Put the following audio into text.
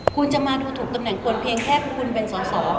คุณจะมาดูถูกตำแหน่งคนเพียงแค่คุณเป็นสอสอ